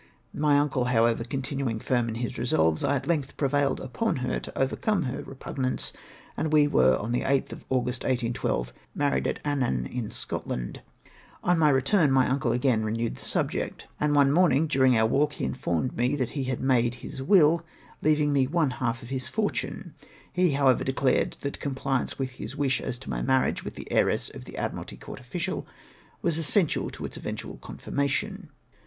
My uncle, however, continuing firm m his resolves, I at length prevailed upon her to overcome her repugnance, and we were, on the 8th of August 1812, married at Annan in Scotland. On my retmii my uncle again renewed the subject, and one morning, during oiu" walk he informed me that he had made his wiU, leaving me one half his fortune. He, however declared, that compliance with his wisli as to my marriage with the heiress of tlie Admiralty Court official was essential to its eventual confirmation.